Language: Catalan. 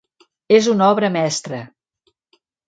És una obra mestra.